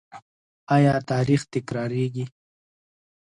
آیا تاریخ تکراریږي؟